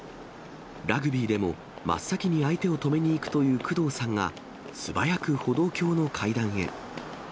ラグビーでも真っ先に相手を止めに行くという工藤さんが、素早く歩道橋の階段へ。